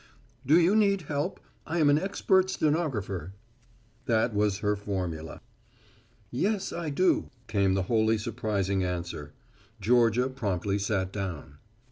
"Do you need help? I am an expert stenographer." That was her formula. "Yes, I do," came the wholly surprising answer. Georgia promptly sat down.